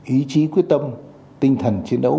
ý chí quyết tâm tinh thần chiến đấu